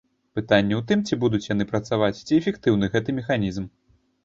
Пытанне ў тым, ці будуць яны працаваць, ці эфектыўны гэта механізм.